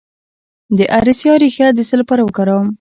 د اریسا ریښه د څه لپاره وکاروم؟